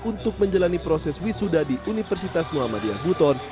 untuk menjalani proses wisuda di universitas muhammadiyah buton